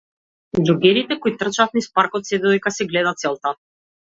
Џогерите кои трчаат низ паркот се додека се гледа целта.